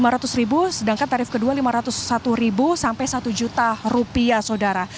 rp lima ratus sedangkan tarif kedua rp lima ratus satu sampai rp satu saudara